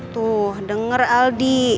tuh denger aldi